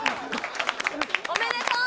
おめでとう！